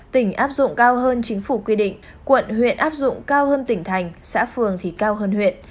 tỉnh áp dụng cao hơn chính phủ quy định quận huyện áp dụng cao hơn tỉnh thành xã phường thì cao hơn huyện